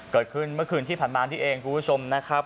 เกิดขึ้นเมื่อคืนที่ผ่านมานี่เองคุณผู้ชมนะครับ